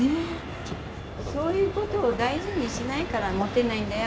そういうことを大事にしないからモテないんだよ。